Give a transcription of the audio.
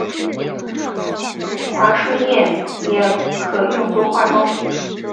桦树液也可用做化妆品。